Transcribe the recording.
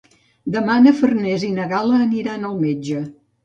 Demà na Farners i na Gal·la aniran al metge.